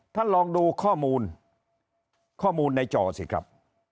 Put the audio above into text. ท่านลองดูข้อมูลข้อมูลในจอสิครับ